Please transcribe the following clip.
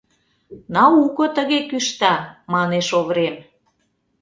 — Науко тыге кӱшта, — манеш Оврем.